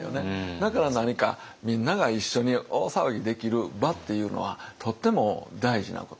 だから何かみんなが一緒に大騒ぎできる場っていうのはとっても大事なこと。